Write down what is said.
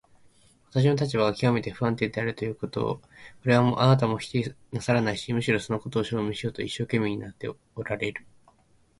私の立場がきわめて不安定であるということ、これはあなたも否定なさらないし、むしろそのことを証明しようと一生懸命になっておられる。